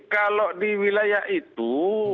kalau di wilayah itu